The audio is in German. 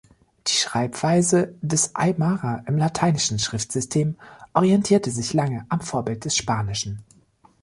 Die Schreibweise des Aymara im lateinischen Schriftsystem orientierte sich lange am Vorbild des Spanischen.